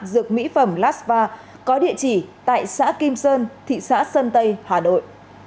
dược mỹ phẩm lasva có địa chỉ tại xã kim sơn thị xã sơn tây hà nội